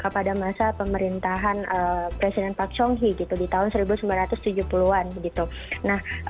pada masa pemerintahan presiden park chung hee di tahun seribu sembilan ratus tujuh puluh an